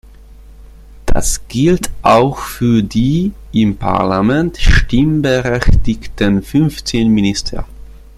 Das gilt auch für die im Parlament stimmberechtigten fünfzehn Minister.